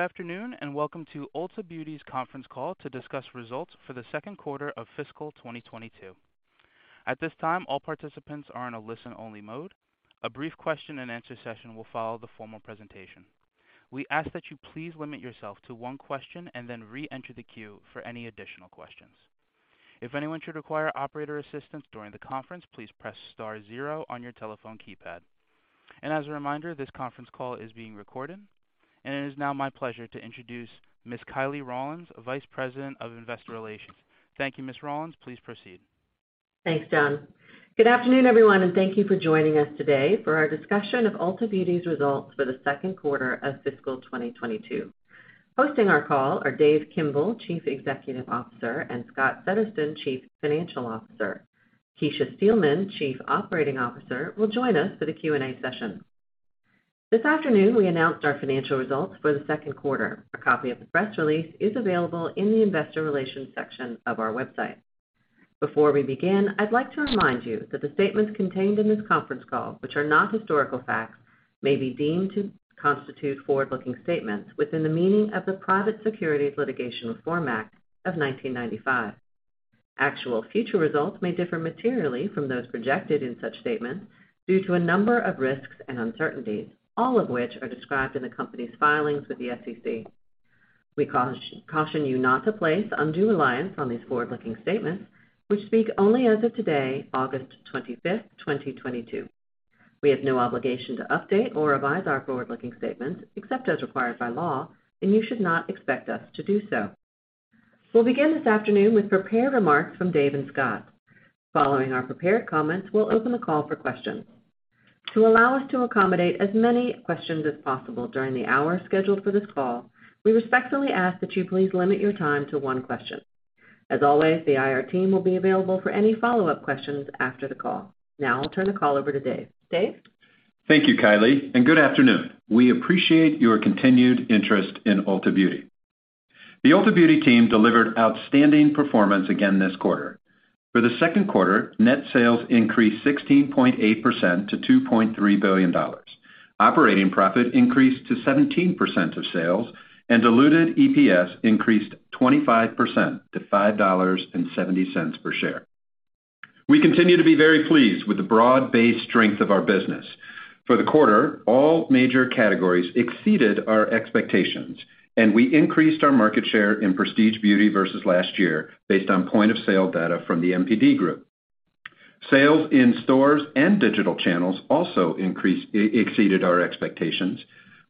Good afternoon, and welcome to Ulta Beauty's conference call to discuss results for the Q2 of fiscal 2022. At this time, all participants are in a listen-only mode. A brief question-and-answer session will follow the formal presentation. We ask that you please limit yourself to 1 question and then re-enter the queue for any additional questions. If anyone should require operator assistance during the conference, please press star zero on your telephone keypad. As a reminder, this conference call is being recorded. It is now my pleasure to introduce Ms. Kiley Rawlins, Vice President, Investor Relations. Thank you, Ms. Rawlins. Please proceed. Thanks, John. Good afternoon, everyone, and thank you for joining us today for our discussion of Ulta Beauty's results for the Q2 of fiscal 2022. Hosting our call are Dave Kimbell, Chief Executive Officer, and Scott Settersten, Chief Financial Officer. Kecia Steelman, Chief Operating Officer, will join us for the Q&A session. This afternoon, we announced our financial results for the Q2. A copy of the press release is available in the investor relations section of our website. Before we begin, I'd like to remind you that the statements contained in this conference call, which are not historical facts, may be deemed to constitute forward-looking statements within the meaning of the Private Securities Litigation Reform Act of 1995. Actual future results may differ materially from those projected in such statements due to a number of risks and uncertainties, all of which are described in the company's filings with the SEC. We caution you not to place undue reliance on these forward-looking statements, which speak only as of today, August 25th, 2022. We have no obligation to update or revise our forward-looking statements except as required by law, and you should not expect us to do so. We'll begin this afternoon with prepared remarks from Dave and Scott. Following our prepared comments, we'll open the call for questions. To allow us to accommodate as many questions as possible during the hour scheduled for this call, we respectfully ask that you please limit your time to 1 question. As always, the IR team will be available for any follow-up questions after the call. Now I'll turn the call over to Dave. Dave? Thank you, Kiley, and good afternoon. We appreciate your continued interest in Ulta Beauty. The Ulta Beauty team delivered outstanding performance again this quarter. For the Q2, net sales increased 16.8% to $2.3 billion. Operating profit increased to 17% of sales, and diluted EPS increased 25% to $5.70 per share. We continue to be very pleased with the broad-based strength of our business. For the quarter, all major categories exceeded our expectations, and we increased our market share in prestige beauty versus last year based on point of sale data from The NPD Group. Sales in stores and digital channels also exceeded our expectations,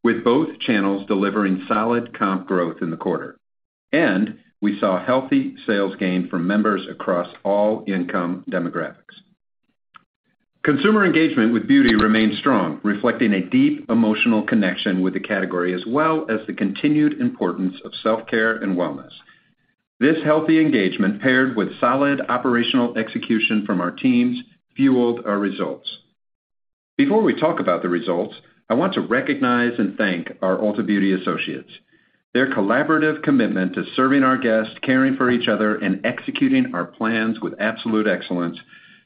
with both channels delivering solid comp growth in the quarter. We saw healthy sales gain from members across all income demographics. Consumer engagement with beauty remains strong, reflecting a deep emotional connection with the category as well as the continued importance of self-care and wellness. This healthy engagement, paired with solid operational execution from our teams, fueled our results. Before we talk about the results, I want to recognize and thank our Ulta Beauty associates. Their collaborative commitment to serving our guests, caring for each other, and executing our plans with absolute excellence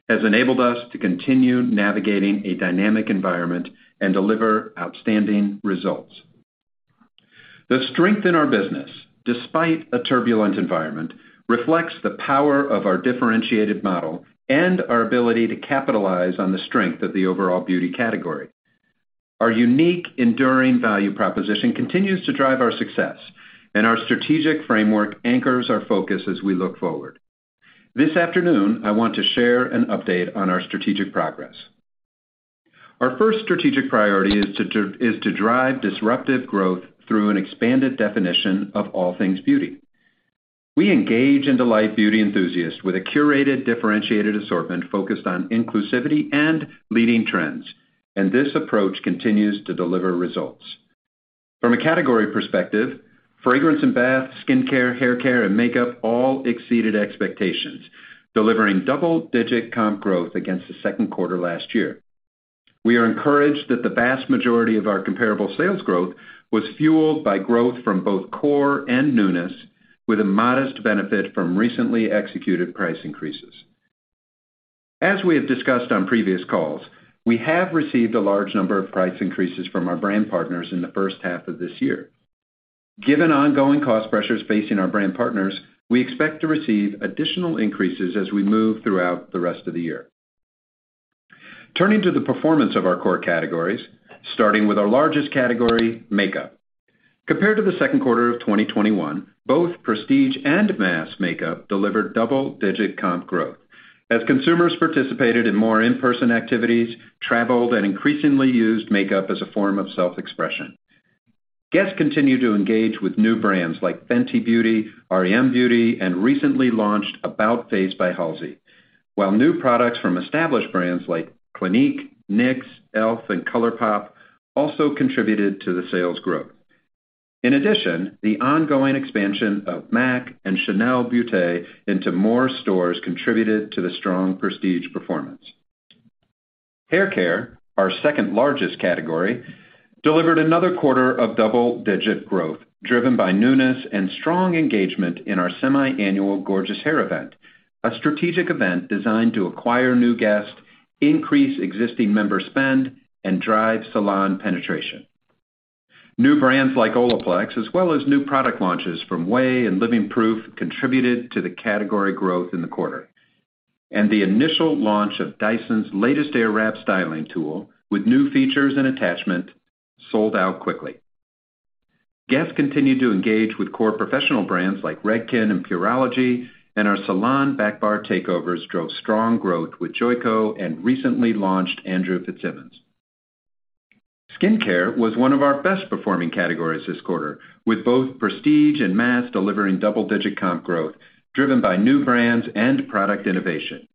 has enabled us to continue navigating a dynamic environment and deliver outstanding results. The strength in our business, despite a turbulent environment, reflects the power of our differentiated model and our ability to capitalize on the strength of the overall beauty category. Our unique enduring value proposition continues to drive our success, and our strategic framework anchors our focus as we look forward. This afternoon, I want to share an update on our strategic progress. Our first strategic priority is to drive disruptive growth through an expanded definition of all things beauty. We engage and delight beauty enthusiasts with a curated, differentiated assortment focused on inclusivity and leading trends, and this approach continues to deliver results. From a category perspective, fragrance and bath, skincare, haircare, and makeup all exceeded expectations, delivering double-digit comp growth against the Q2 last year. We are encouraged that the vast majority of our comparable sales growth was fueled by growth from both core and newness, with a modest benefit from recently executed price increases. As we have discussed on previous calls, we have received a large number of price increases from our brand partners in the H1 of this year. Given ongoing cost pressures facing our brand partners, we expect to receive additional increases as we move throughout the rest of the year. Turning to the performance of our core categories, starting with our largest category, makeup. Compared to the Q2 of 2021, both prestige and mass makeup delivered double-digit comp growth as consumers participated in more in-person activities, traveled, and increasingly used makeup as a form of self-expression. Guests continue to engage with new brands like Fenty Beauty, r.e.m. beauty, and recently launched About-Face by Halsey. While new products from established brands like Clinique, NYX, e.l.f., and ColourPop also contributed to the sales growth. In addition, the ongoing expansion of MAC and Chanel Beauté into more stores contributed to the strong prestige performance. Haircare, our 2nd-largest category, delivered another quarter of double-digit growth, driven by newness and strong engagement in our semi-annual Gorgeous Hair event, a strategic event designed to acquire new guests, increase existing member spend, and drive salon penetration. New brands like Olaplex, as well as new product launches from Ouai and Living Proof, contributed to the category growth in the quarter. The initial launch of Dyson's latest Airwrap styling tool, with new features and attachment, sold out quickly. Guests continued to engage with core professional brands like Redken and Pureology, and our Salon Back Bar takeovers drove strong growth with Joico and recently launched Andrew Fitzsimons. Skincare was one of our best performing categories this quarter, with both prestige and mass delivering double-digit comp growth, driven by new brands and product innovation.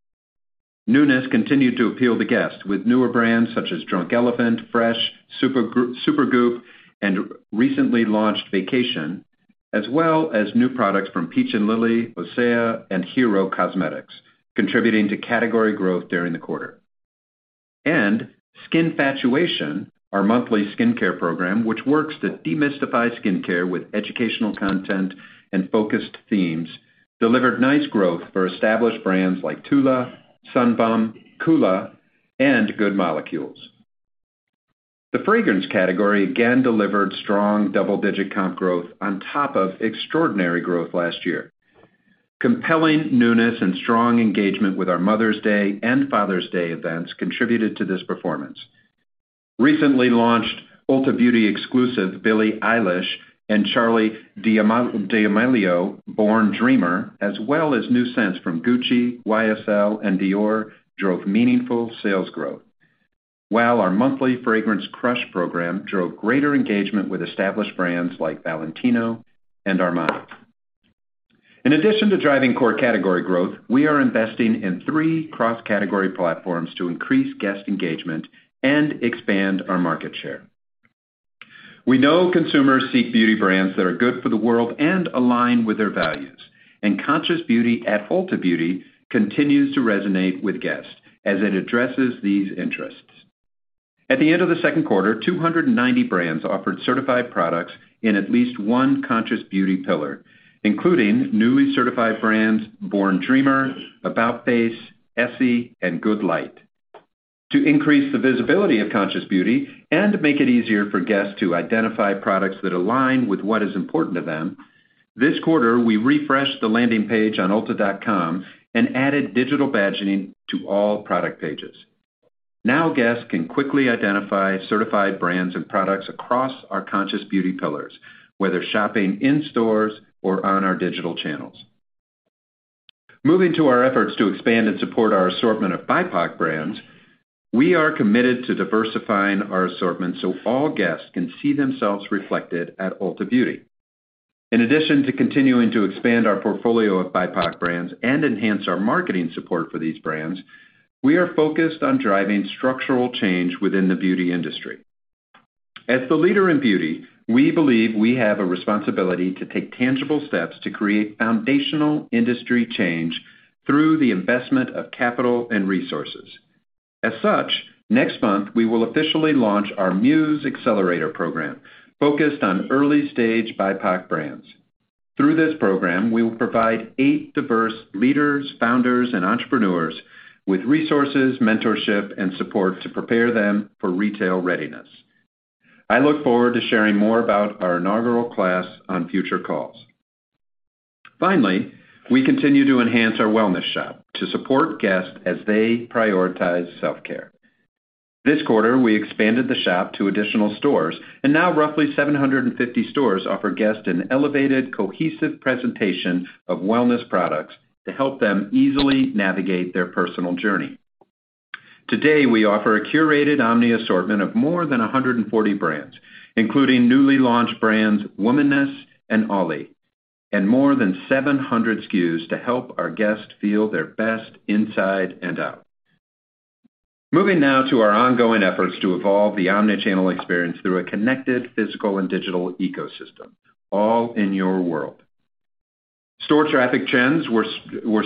Newness continued to appeal to guests with newer brands such as Drunk Elephant, Fresh, Supergoop, and recently launched Vacation, as well as new products from Peach & Lily, OSEA, and Hero Cosmetics, contributing to category growth during the quarter. Skinfatuation, our monthly skincare program, which works to demystify skincare with educational content and focused themes, delivered nice growth for established brands like TULA, Sun Bum, COOLA, and Good Molecules. The fragrance category again delivered strong double-digit comp growth on top of extraordinary growth last year. Compelling newness and strong engagement with our Mother's Day and Father's Day events contributed to this performance. Recently launched Ulta Beauty exclusive Billie Eilish and Charli D'Amelio Born Dreamer, as well as new scents from Gucci, YSL, and Dior, drove meaningful sales growth. While our monthly Fragrance Crush program drove greater engagement with established brands like Valentino and Armani. In addition to driving core category growth, we are investing in 3 cross-category platforms to increase guest engagement and expand our market share. We know consumers seek beauty brands that are good for the world and align with their values. Conscious Beauty at Ulta Beauty continues to resonate with guests as it addresses these interests. At the end of the Q2, 290 brands offered certified products in at least 1 Conscious Beauty pillar, including newly certified brands Born Dreamer, About-Face, Essie, and Good Light. To increase the visibility of Conscious Beauty and to make it easier for guests to identify products that align with what is important to them, this quarter, we refreshed the landing page on ulta.com and added digital badging to all product pages. Now, guests can quickly identify certified brands and products across our Conscious Beauty pillars, whether shopping in stores or on our digital channels. Moving to our efforts to expand and support our assortment of BIPOC brands, we are committed to diversifying our assortment so all guests can see themselves reflected at Ulta Beauty. In addition to continuing to expand our portfolio of BIPOC brands and enhance our marketing support for these brands, we are focused on driving structural change within the beauty industry. As the leader in beauty, we believe we have a responsibility to take tangible steps to create foundational industry change through the investment of capital and resources. As such, next month, we will officially launch our MUSE Accelerator program focused on early-stage BIPOC brands. Through this program, we will provide 8 diverse leaders, founders, and entrepreneurs with resources, mentorship, and support to prepare them for retail readiness. I look forward to sharing more about our inaugural class on future calls. Finally, we continue to enhance our wellness shop to support guests as they prioritize self-care. This quarter, we expanded the shop to additional stores, and now roughly 750 stores offer guests an elevated, cohesive presentation of wellness products to help them easily navigate their personal journey. Today, we offer a curated omni assortment of more than 140 brands, including newly launched brands Womaness and OLLY, and more than 700 SKUs to help our guests feel their best inside and out. Moving now to our ongoing efforts to evolve the omnichannel experience through a connected physical and digital ecosystem, all in your world. Store traffic trends were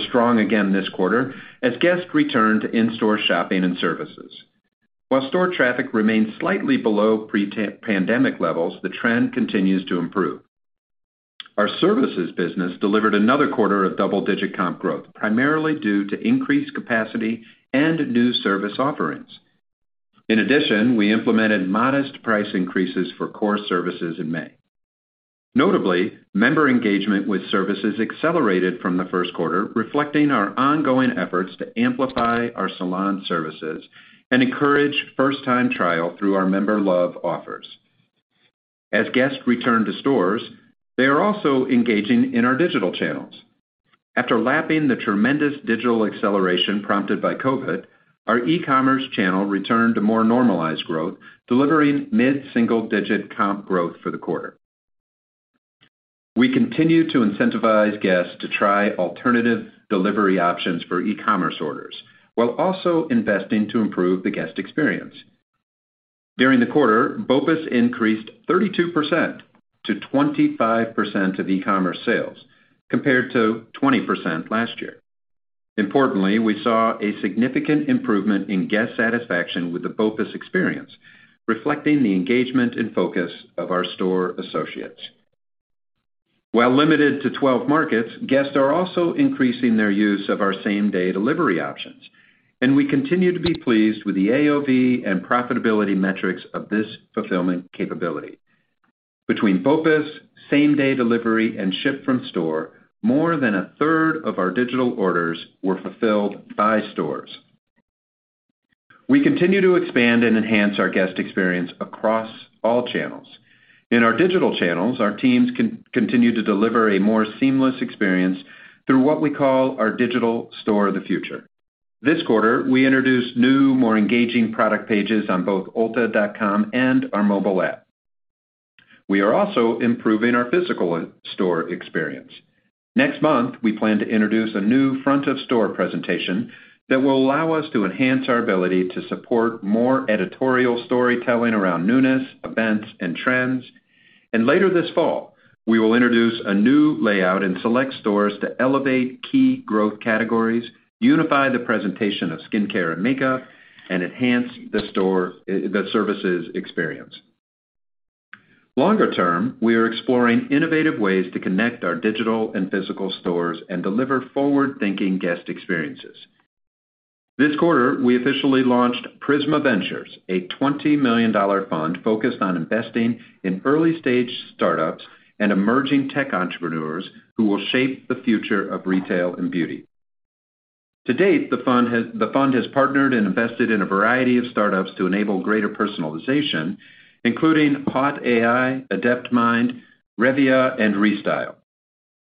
strong again this quarter as guests returned to in-store shopping and services. While store traffic remained slightly below pre-pandemic levels, the trend continues to improve. Our services business delivered another quarter of double-digit comp growth, primarily due to increased capacity and new service offerings. In addition, we implemented modest price increases for core services in May. Notably, member engagement with services accelerated from the Q1, reflecting our ongoing efforts to amplify our salon services and encourage first-time trial through our Member Love offers. As guests return to stores, they are also engaging in our digital channels. After lapping the tremendous digital acceleration prompted by COVID, our e-commerce channel returned to more normalized growth, delivering mid-single digit comp growth for the quarter. We continue to incentivize guests to try alternative delivery options for e-commerce orders while also investing to improve the guest experience. During the quarter, BOPUS increased 32% to 25% of e-commerce sales, compared to 20% last year. Importantly, we saw a significant improvement in guest satisfaction with the BOPUS experience, reflecting the engagement and focus of our store associates. While limited to 12 markets, guests are also increasing their use of our same-day delivery options, and we continue to be pleased with the AOV and profitability metrics of this fulfillment capability. Between BOPUS, same-day delivery, and ship from store, more than 1/3 of our digital orders were fulfilled by stores. We continue to expand and enhance our guest experience across all channels. In our digital channels, our teams continue to deliver a more seamless experience through what we call our digital store of the future. This quarter, we introduced new, more engaging product pages on both ulta.com and our mobile app. We are also improving our physical store experience. Next month, we plan to introduce a new front-of-store presentation that will allow us to enhance our ability to support more editorial storytelling around newness, events, and trends. Later this fall, we will introduce a new layout in select stores to elevate key growth categories, unify the presentation of skincare and makeup, and enhance the services experience. Longer term, we are exploring innovative ways to connect our digital and physical stores and deliver forward-thinking guest experiences. This quarter, we officially launched Prisma Ventures, a $20 million fund focused on investing in early-stage startups and emerging tech entrepreneurs who will shape the future of retail and beauty. To date, the fund has partnered and invested in a variety of startups to enable greater personalization, including Haut.AI, Adeptmind, Revea, and ReStyle.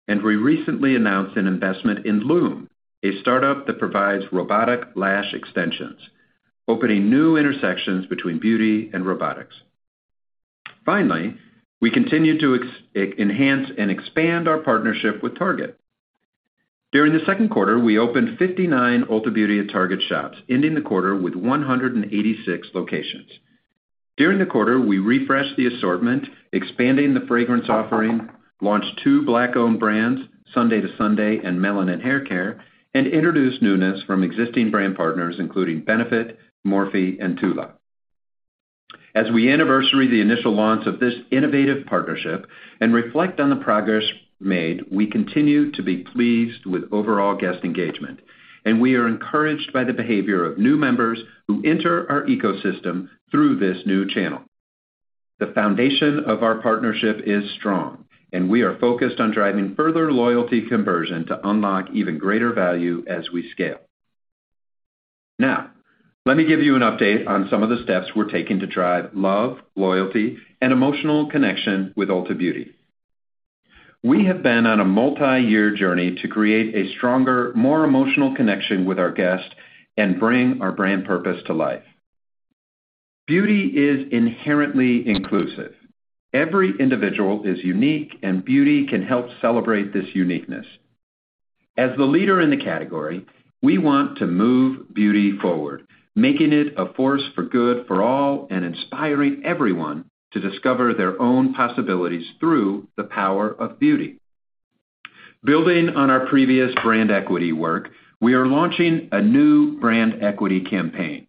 We recently announced an investment in LUUM, a startup that provides robotic lash extensions, opening new intersections between beauty and robotics. Finally, we continue to enhance and expand our partnership with Target. During the Q2, we opened 59 Ulta Beauty at Target shops, ending the quarter with 186 locations. During the quarter, we refreshed the assortment, expanding the fragrance offering, launched 2 black-owned brands, Sunday II Sunday and Melanin Haircare, and introduced newness from existing brand partners, including Benefit, Morphe, and TULA. As we anniversary the initial launch of this innovative partnership and reflect on the progress made, we continue to be pleased with overall guest engagement, and we are encouraged by the behavior of new members who enter our ecosystem through this new channel. The foundation of our partnership is strong, and we are focused on driving further loyalty conversion to unlock even greater value as we scale. Now, let me give you an update on some of the steps we're taking to drive love, loyalty, and emotional connection with Ulta Beauty. We have been on a multiyear journey to create a stronger, more emotional connection with our guests and bring our brand purpose to life. Beauty is inherently inclusive. Every individual is unique, and beauty can help celebrate this uniqueness. As the leader in the category, we want to move beauty forward, making it a force for good for all and inspiring everyone to discover their own possibilities through the power of beauty. Building on our previous brand equity work, we are launching a new brand equity campaign,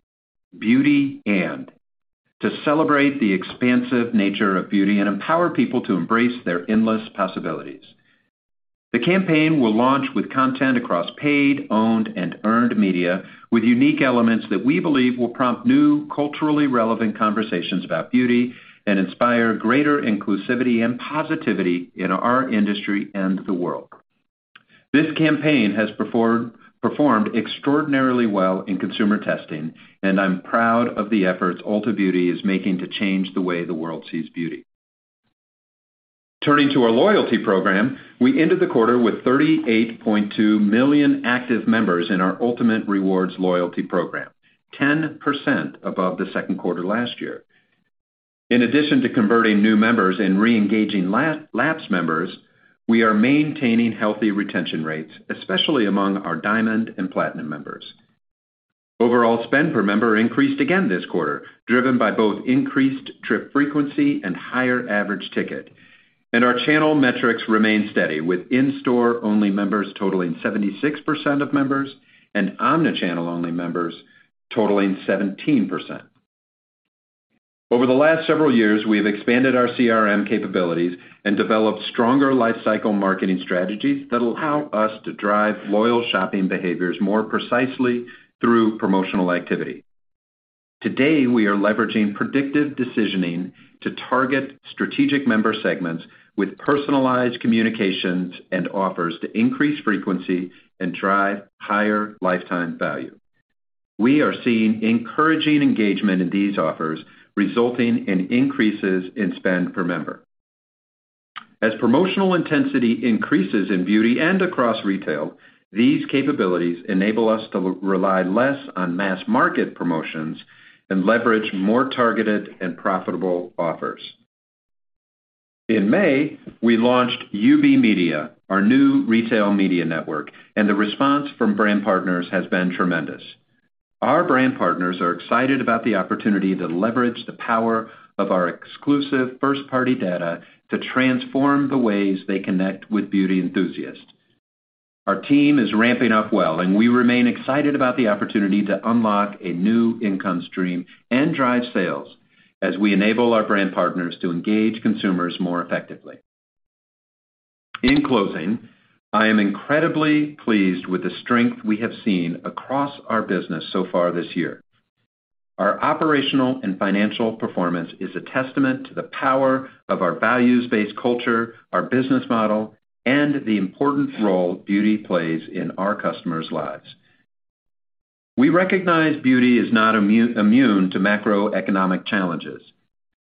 Beauty&, to celebrate the expansive nature of beauty and empower people to embrace their endless possibilities. The campaign will launch with content across paid, owned, and earned media, with unique elements that we believe will prompt new, culturally relevant conversations about beauty and inspire greater inclusivity and positivity in our industry and the world. This campaign has performed extraordinarily well in consumer testing, and I'm proud of the efforts Ulta Beauty is making to change the way the world sees beauty. Turning to our loyalty program, we ended the quarter with 38.2 million active members in our Ultamate Rewards loyalty program, 10% above the Q2 last year. In addition to converting new members and re-engaging lapsed members, we are maintaining healthy retention rates, especially among our diamond and platinum members. Overall spend per member increased again this quarter, driven by both increased trip frequency and higher average ticket. Our channel metrics remain steady, with in-store only members totaling 76% of members and omnichannel-only members totaling 17%. Over the last several years, we have expanded our CRM capabilities and developed stronger lifecycle marketing strategies that allow us to drive loyal shopping behaviors more precisely through promotional activity. Today, we are leveraging predictive decisioning to target strategic member segments with personalized communications and offers to increase frequency and drive higher lifetime value. We are seeing encouraging engagement in these offers, resulting in increases in spend per member. As promotional intensity increases in beauty and across retail, these capabilities enable us to rely less on mass market promotions and leverage more targeted and profitable offers. In May, we launched UB Media, our new retail media network, and the response from brand partners has been tremendous. Our brand partners are excited about the opportunity to leverage the power of our exclusive first-party data to transform the ways they connect with beauty enthusiasts. Our team is ramping up well, and we remain excited about the opportunity to unlock a new income stream and drive sales as we enable our brand partners to engage consumers more effectively. In closing, I am incredibly pleased with the strength we have seen across our business so far this year. Our operational and financial performance is a testament to the power of our values-based culture, our business model, and the important role beauty plays in our customers' lives. We recognize beauty is not immune to macroeconomic challenges,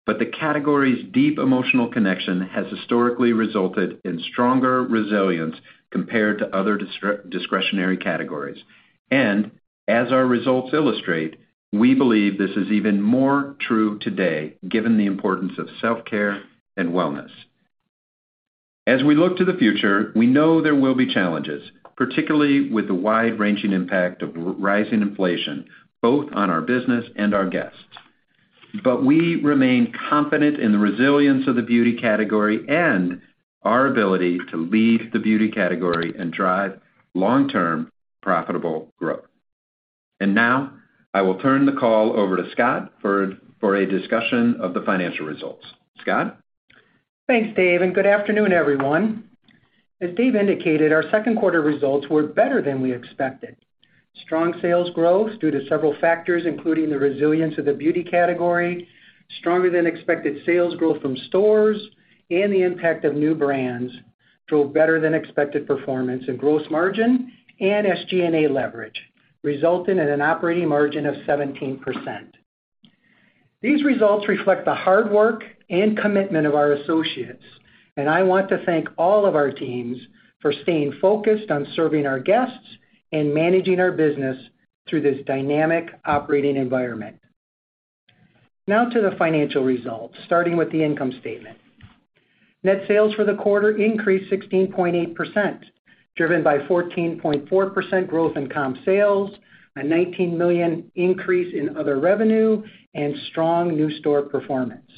but the category's deep emotional connection has historically resulted in stronger resilience compared to other discretionary categories. As our results illustrate, we believe this is even more true today given the importance of self-care and wellness. As we look to the future, we know there will be challenges, particularly with the wide-ranging impact of rising inflation, both on our business and our guests. We remain confident in the resilience of the beauty category and our ability to lead the beauty category and drive long-term profitable growth. Now, I will turn the call over to Scott for a discussion of the financial results. Scott? Thanks, Dave, and good afternoon, everyone. As Dave indicated, our Q2 results were better than we expected. Strong sales growth due to several factors, including the resilience of the beauty category, stronger than expected sales growth from stores, and the impact of new brands drove better than expected performance and gross margin and SG&A leverage, resulting in an operating margin of 17%. These results reflect the hard work and commitment of our associates, and I want to thank all of our teams for staying focused on serving our guests and managing our business through this dynamic operating environment. Now to the financial results, starting with the income statement. Net sales for the quarter increased 16.8%, driven by 14.4% growth in comp sales, a $19 million increase in other revenue, and strong new store performance.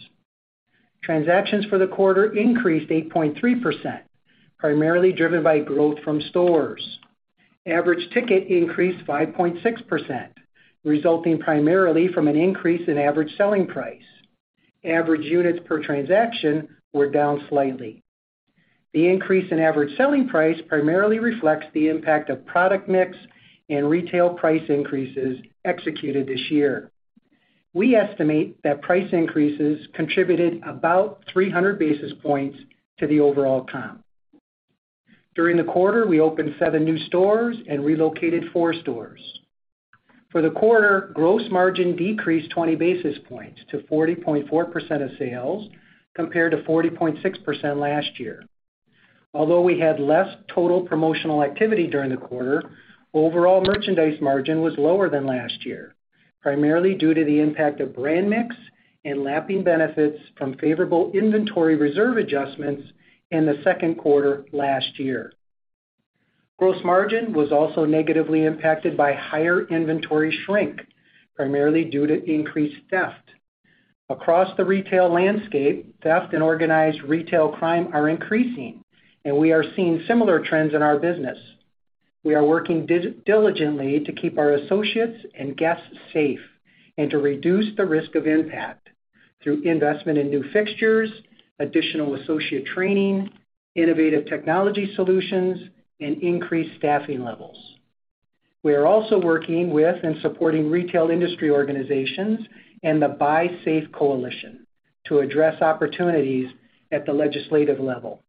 Transactions for the quarter increased 8.3%, primarily driven by growth from stores. Average ticket increased 5.6%, resulting primarily from an increase in average selling price. Average units per transaction were down slightly. The increase in average selling price primarily reflects the impact of product mix and retail price increases executed this year. We estimate that price increases contributed about 300 basis points to the overall comp. During the quarter, we opened 7 new stores and relocated 4 stores. For the quarter, gross margin decreased 20 basis points to 40.4% of sales compared to 40.6% last year. Although we had less total promotional activity during the quarter, overall merchandise margin was lower than last year, primarily due to the impact of brand mix and lapping benefits from favorable inventory reserve adjustments in the Q2 last year. Gross margin was also negatively impacted by higher inventory shrink, primarily due to increased theft. Across the retail landscape, theft and organized retail crime are increasing, and we are seeing similar trends in our business. We are working diligently to keep our associates and guests safe and to reduce the risk of impact through investment in new fixtures, additional associate training, innovative technology solutions, and increased staffing levels. We are also working with and supporting retail industry organizations and the Buy Safe America Coalition to address opportunities at the legislative level.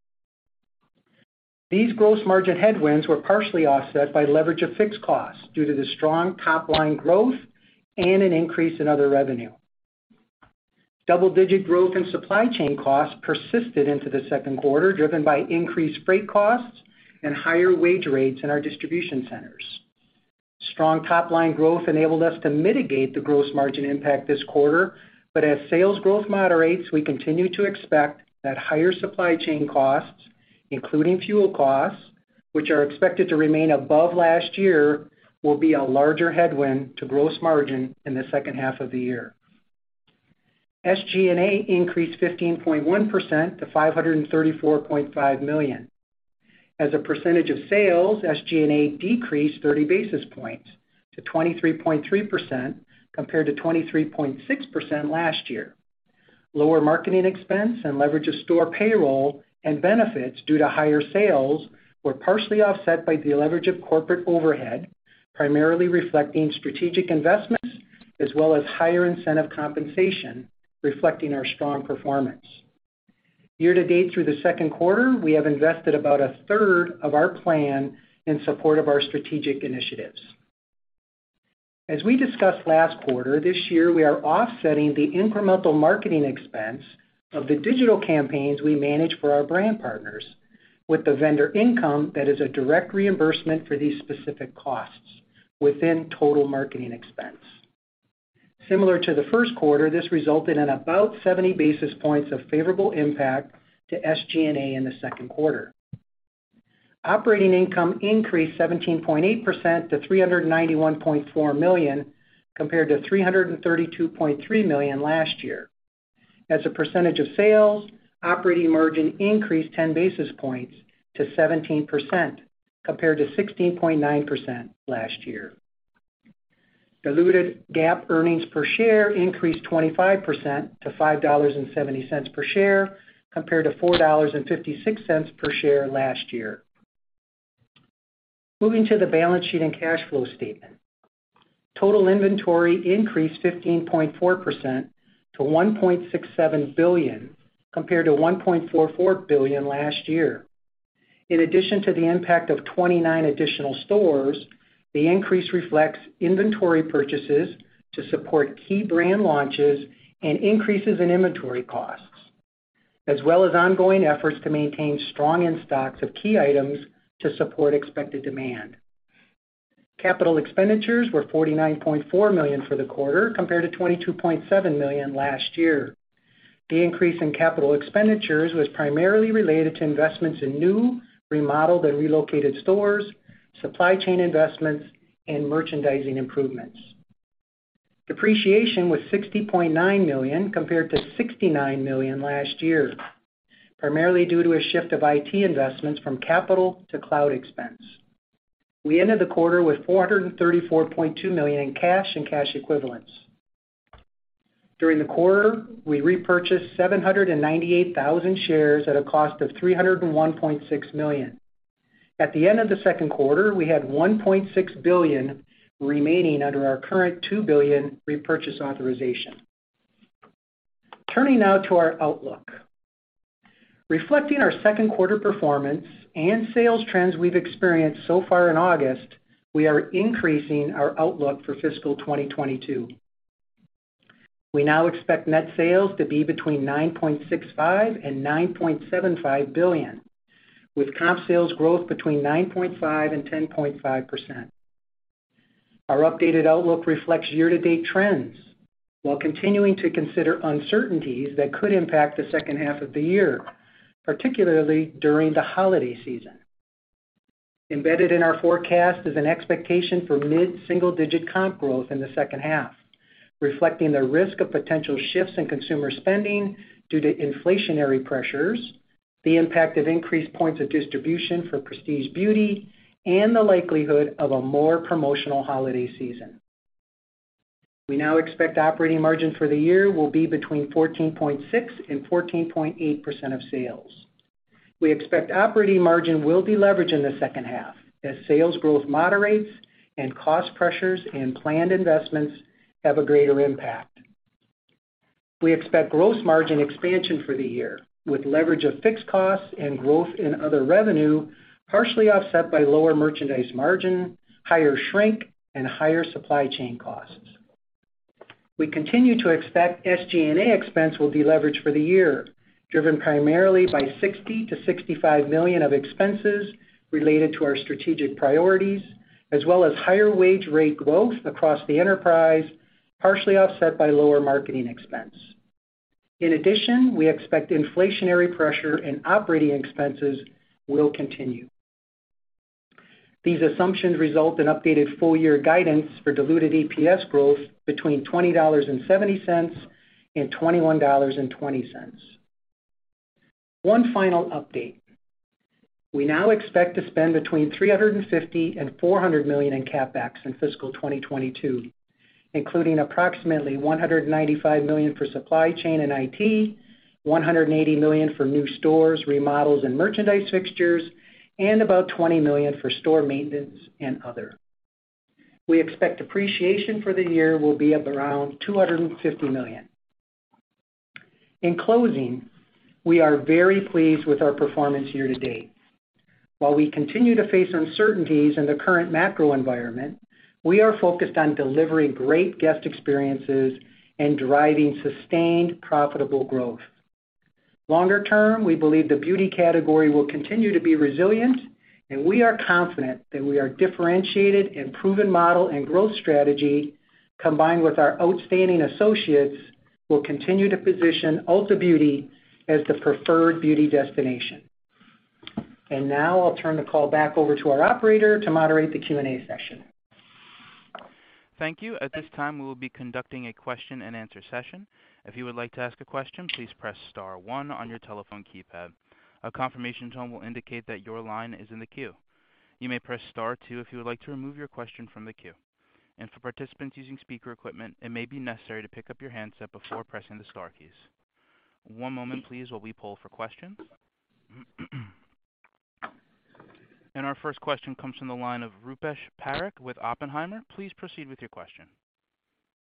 These gross margin headwinds were partially offset by leverage of fixed costs due to the strong top-line growth and an increase in other revenue. Double-digit growth in supply chain costs persisted into the Q2, driven by increased freight costs and higher wage rates in our distribution centers. Strong top-line growth enabled us to mitigate the gross margin impact this quarter, but as sales growth moderates, we continue to expect that higher supply chain costs, including fuel costs, which are expected to remain above last year, will be a larger headwind to gross margin in the H2 of the year. SG&A increased 15.1% to $534.5 million. As a percentage of sales, SG&A decreased 30 basis points to 23.3% compared to 23.6% last year. Lower marketing expense and leverage of store payroll and benefits due to higher sales were partially offset by deleverage of corporate overhead, primarily reflecting strategic investments as well as higher incentive compensation reflecting our strong performance. Year to date through the Q2, we have invested about 1/3 of our plan in support of our strategic initiatives. As we discussed last quarter, this year, we are offsetting the incremental marketing expense of the digital campaigns we manage for our brand partners with the vendor income that is a direct reimbursement for these specific costs within total marketing expense. Similar to the Q1, this resulted in about 70 basis points of favorable impact to SG&A in the Q2. Operating income increased 17.8% to $391.4 million, compared to $332.3 million last year. As a percentage of sales, operating margin increased 10 basis points to 17% compared to 16.9% last year. Diluted GAAP earnings per share increased 25% to $5.70 per share compared to $4.56 per share last year. Moving to the balance sheet and cash flow statement. Total inventory increased 15.4% to $1.67 billion, compared to $1.44 billion last year. In addition to the impact of 29 additional stores, the increase reflects inventory purchases to support key brand launches and increases in inventory costs, as well as ongoing efforts to maintain strong in-stocks of key items to support expected demand. Capital expenditures were $49.4 million for the quarter, compared to $22.7 million last year. The increase in capital expenditures was primarily related to investments in new, remodeled, and relocated stores, supply chain investments, and merchandising improvements. Depreciation was $60.9 million compared to $69 million last year, primarily due to a shift of IT investments from capital to cloud expense. We ended the quarter with $434.2 million in cash and cash equivalents. During the quarter, we repurchased 798,000 shares at a cost of $301.6 million. At the end of the Q2, we had $1.6 billion remaining under our current $2 billion repurchase authorization. Turning now to our outlook. Reflecting our Q2 performance and sales trends we've experienced so far in August, we are increasing our outlook for fiscal 2022. We now expect net sales to be between $9.65 billion to $9.75 billion, with comp sales growth between 9.5% to 10.5%. Our updated outlook reflects year-to-date trends while continuing to consider uncertainties that could impact the H2 of the year, particularly during the holiday season. Embedded in our forecast is an expectation for mid-single digit comp growth in the H2, reflecting the risk of potential shifts in consumer spending due to inflationary pressures, the impact of increased points of distribution for prestige beauty, and the likelihood of a more promotional holiday season. We now expect operating margin for the year will be between 14.6% and 14.8% of sales. We expect operating margin will be leveraged in the H2 as sales growth moderates and cost pressures and planned investments have a greater impact. We expect gross margin expansion for the year with leverage of fixed costs and growth in other revenue, partially offset by lower merchandise margin, higher shrink, and higher supply chain costs. We continue to expect SG&A expense will be leveraged for the year, driven primarily by $60 million to $65 million of expenses related to our strategic priorities, as well as higher wage rate growth across the enterprise, partially offset by lower marketing expense. In addition, we expect inflationary pressure and operating expenses will continue. These assumptions result in updated full year guidance for diluted EPS growth between $20.70 and $21.20. 1 final update. We now expect to spend between $350 million and $400 million in CapEx in fiscal 2022, including approximately $195 million for supply chain and IT, $180 million for new stores, remodels, and merchandise fixtures, and about $20 million for store maintenance and other. We expect depreciation for the year will be up around $250 million. In closing, we are very pleased with our performance year to date. While we continue to face uncertainties in the current macro environment, we are focused on delivering great guest experiences and driving sustained, profitable growth. Longer term, we believe the beauty category will continue to be resilient, and we are confident that we are differentiated and proven model and growth strategy, combined with our outstanding associates, will continue to position Ulta Beauty as the preferred beauty destination. Now I'll turn the call back over to our operator to moderate the Q&A session. Thank you. At this time, we will be conducting a question and answer session. If you would like to ask a question, please press star one on your telephone keypad. A confirmation tone will indicate that your line is in the queue. You may press star two if you would like to remove your question from the queue. For participants using speaker equipment, it may be necessary to pick up your handset before pressing the star keys. One moment, please, while we poll for questions. Our first question comes from the line of Rupesh Parikh with Oppenheimer. Please proceed with your question.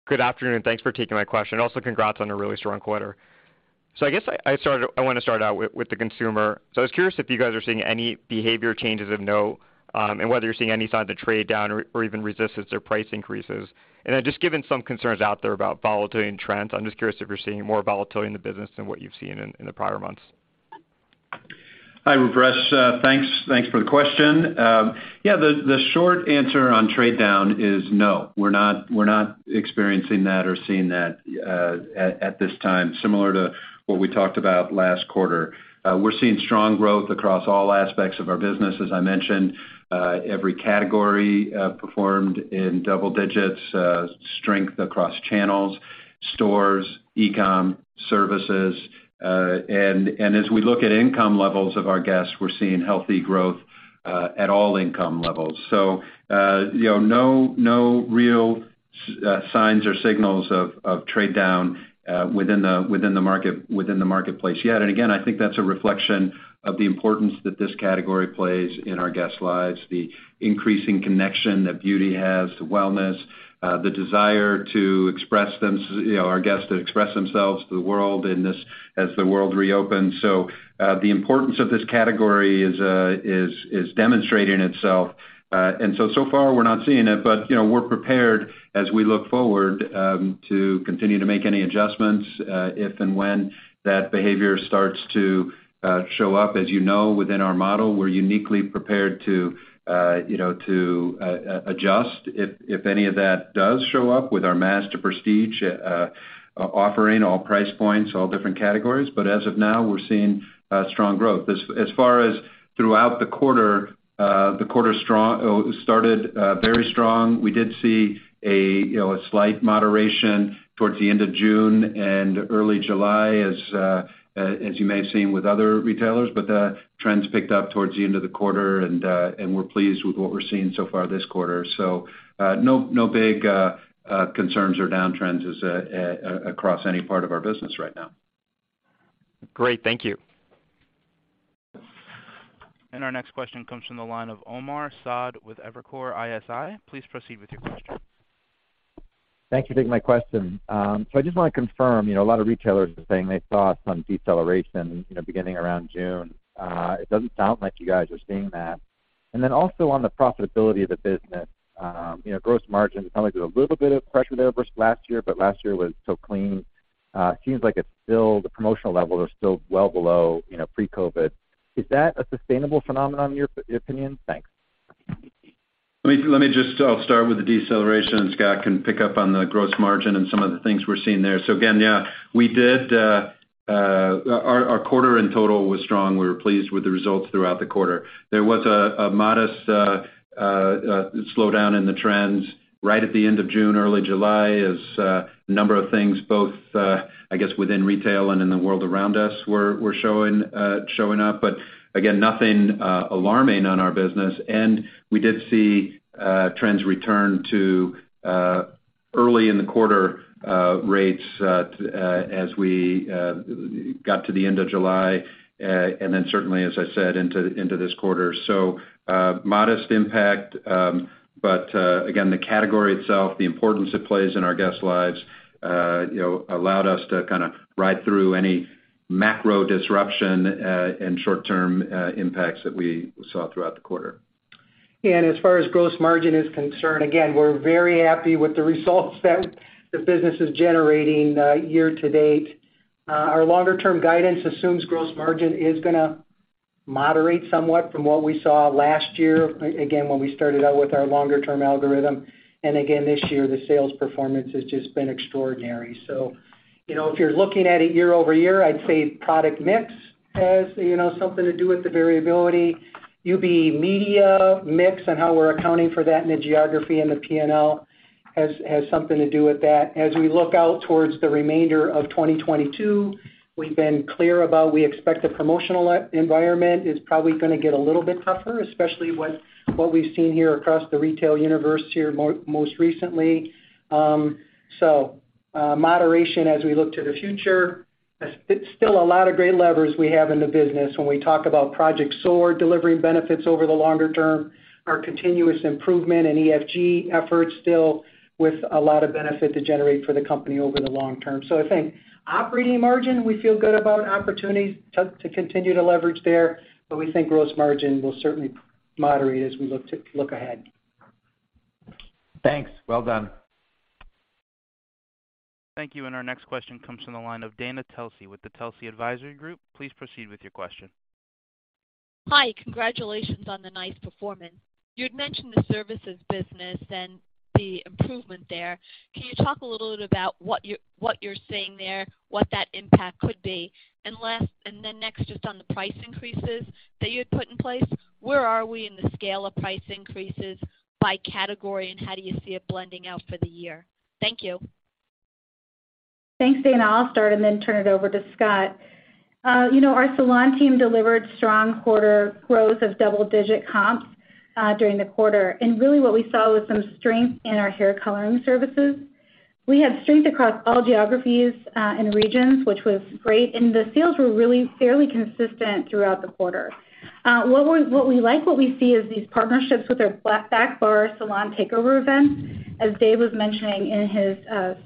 Good afternoon. Thanks for taking my question. Also congrats on a really strong quarter. I guess I want to start out with the consumer. I was curious if you guys are seeing any behavior changes or no, and whether you're seeing any signs of trade down or even resistance to price increases. Then just given some concerns out there about volatility and trends, I'm just curious if you're seeing more volatility in the business than what you've seen in the prior months. Hi, Rupesh. Thanks for the question. Yeah, the short answer on trade down is no, we're not experiencing that or seeing that at this time, similar to- What we talked about last quarter. We're seeing strong growth across all aspects of our business. As I mentioned, every category performed in double digits, strength across channels, stores, e-com, services. As we look at income levels of our guests, we're seeing healthy growth at all income levels. You know, no real signs or signals of trade-down within the marketplace yet. Again, I think that's a reflection of the importance that this category plays in our guests' lives, the increasing connection that beauty has to wellness, the desire to express, you know, our guests to express themselves to the world in this as the world reopens. The importance of this category is demonstrating itself. So far we're not seeing it, but you know, we're prepared as we look forward to continue to make any adjustments if and when that behavior starts to show up. As you know, within our model, we're uniquely prepared to you know to adjust if any of that does show up with our mass to prestige offering, all price points, all different categories. As of now, we're seeing strong growth. As far as throughout the quarter, the quarter started very strong. We did see you know a slight moderation towards the end of June and early July as you may have seen with other retailers. The trends picked up towards the end of the quarter, and we're pleased with what we're seeing so far this quarter. No big concerns or downtrends across any part of our business right now. Great. Thank you. Our next question comes from the line of Omar Saad with Evercore ISI. Please proceed with your question. Thank you for taking my question. I just want to confirm, you know, a lot of retailers are saying they saw some deceleration, you know, beginning around June. It doesn't sound like you guys are seeing that. Then also on the profitability of the business, you know, gross margin, it sounds like there's a little bit of pressure there versus last year, but last year was so clean. Seems like it's still the promotional levels are still well below, you know, pre-COVID. Is that a sustainable phenomenon in your opinion? Thanks. Let me just, I'll start with the deceleration. Scott can pick up on the gross margin and some of the things we're seeing there. Again, yeah, we did. Our quarter in total was strong. We were pleased with the results throughout the quarter. There was a modest slowdown in the trends right at the end of June, early July, as a number of things both, I guess within retail and in the world around us were showing up. Again, nothing alarming on our business. We did see trends return to early in the quarter rates as we got to the end of July and then certainly, as I said, into this quarter. Modest impact, but again, the category itself, the importance it plays in our guests' lives, you know, allowed us to kind of ride through any macro disruption, and short-term impacts that we saw throughout the quarter. As far as gross margin is concerned, again, we're very happy with the results that the business is generating year-to-date. Our longer term guidance assumes gross margin is gonna moderate somewhat from what we saw last year, again, when we started out with our longer term algorithm. This year, the sales performance has just been extraordinary. You know, if you're looking at it year-over-year, I'd say product mix has, you know, something to do with the variability. UB Media mix and how we're accounting for that in the geography and the P&L has something to do with that. As we look out towards the remainder of 2022, we've been clear about we expect the promotional environment is probably gonna get a little bit tougher, especially with what we've seen here across the retail universe here most recently. Moderation as we look to the future. There's still a lot of great levers we have in the business when we talk about Project SOAR delivering benefits over the longer term, our continuous improvement and EFG efforts still with a lot of benefit to generate for the company over the long term. I think operating margin, we feel good about opportunities to continue to leverage there, but we think gross margin will certainly moderate as we look ahead. Thanks. Well done. Thank you. Our next question comes from the line of Dana Telsey with the Telsey Advisory Group. Please proceed with your question. Hi. Congratulations on the nice performance. You'd mentioned the services business and the improvement there. Can you talk a little bit about what you're seeing there, what that impact could be? Then next, just on the price increases that you had put in place, where are we in the scale of price increases by category, and how do you see it blending out for the year? Thank you. Thanks, Dana. I'll start and then turn it over to Scott. You know, our salon team delivered strong quarter growth of double-digit comps during the quarter. Really what we saw was some strength in our hair coloring services. We had strength across all geographies and regions, which was great. The sales were really fairly consistent throughout the quarter. What we like, what we see, is these partnerships with our Black Back Bar salon takeover events. As Dave was mentioning in his